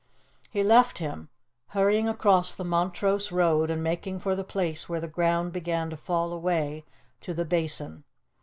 He left him, hurrying across the Montrose road and making for the place where the ground began to fall away to the Basin.